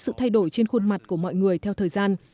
sự thay đổi trên khuôn mặt của mọi người theo thời gian